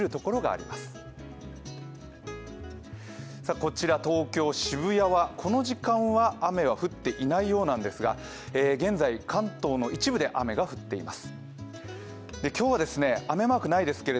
こちら、東京・渋谷はこの時間は雨は降っていないようなんですが、現在、関東の一部で雨が降っています。